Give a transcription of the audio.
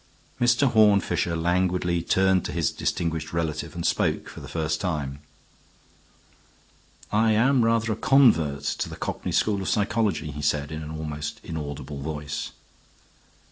Mr. Horne Fisher languidly turned to his distinguished relative and spoke for the first time. "I am rather a convert to the cockney school of psychology," he said in an almost inaudible voice.